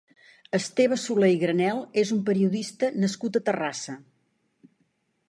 Esteve Soler i Granel és un periodista nascut a Terrassa.